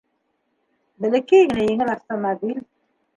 Бәләкәй генә еңел автомобиль.